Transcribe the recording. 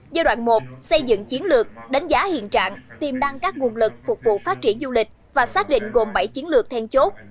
giai đoạn một xây dựng chiến lược đánh giá hiện trạng tiềm năng các nguồn lực phục vụ phát triển du lịch và xác định gồm bảy chiến lược then chốt